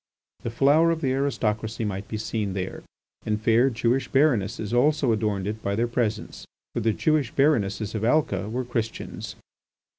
The flower of the aristocracy might be seen there, and fair Jewish baronesses also adorned it by their presence, for the Jewish baronesses of Alca were Christians.